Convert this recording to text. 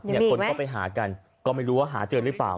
คนก็ไปหากันก็ไม่รู้ว่าหาเจอหรือเปล่า